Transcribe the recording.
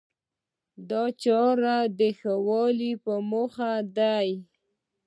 دا د چارو د ښه والي په موخه دی.